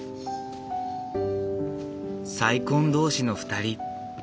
再婚同士の２人。